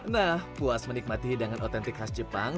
nah puas menikmati hidangan otentik khas jepang